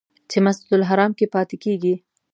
چې مسجدالحرام کې پاتې کېږي.